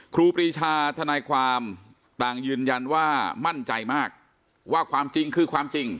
ครูปรีชาทนายความต่างยืนยันว่ามั่นใจมากว่าความจริงคือความจริง